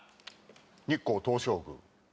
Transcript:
日光東照宮。